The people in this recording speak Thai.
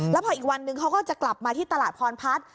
แล้วพออีกวันนึงเขาก็จะกลับมาที่ตลาดพรพัฒน์